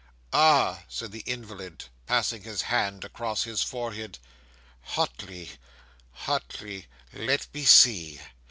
'"Ah!" said the invalid, passing his hand across his forehead; "Hutley Hutley let me see."